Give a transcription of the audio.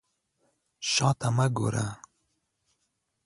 شا ته مه ګوره.